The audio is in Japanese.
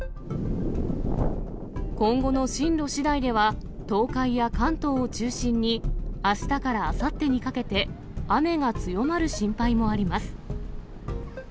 今後の進路しだいでは、東海や関東を中心に、あしたからあさってにかけて、雨が強まる心配もあります。